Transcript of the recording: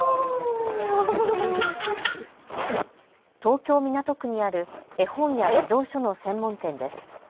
東京港区にある絵本や児童書の専門店です。